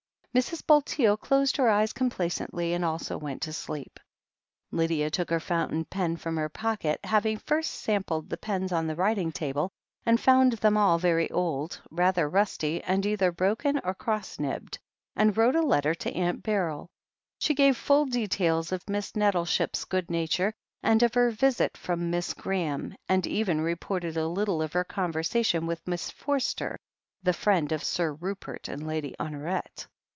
Mrs. Bulteel closed her eyes complacently, and also went to sleep. Lydia took her fountain pen from her pocket, having first sampled the pens on the writing table, and found them all very old, rather rusty, and either broken or I20 THE HEEL OF ACHILLES cross nibbed, and wrote a letter to Aunt Beryl. She gave full details of Miss Nettleship's good nature, and of her visit from Miss Graham, and even reported a little of her conversation with Miss Forster, the friend of Sir Rupert and Lady Honoret.